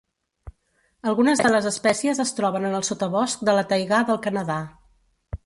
Algunes de les espècies es troben en el sotabosc de la taigà del Canadà.